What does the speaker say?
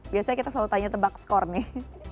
biasanya kita selalu tanya tebak skor nih